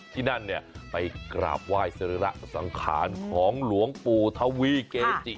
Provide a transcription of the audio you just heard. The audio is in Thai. ที่นั่นเนี่ยไปกราบไหว้สรีระสังขารของหลวงปู่ทวีเกจิ